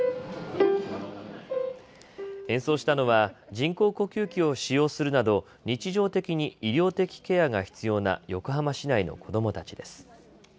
演奏したのは人工呼吸器を使用するなど、日常的に医療的ケアが必要な横浜市内の子どもたちです。